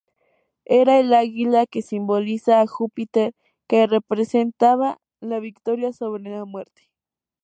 Era el águila que simbolizaba a Júpiter que representaba la victoria sobre la muerte.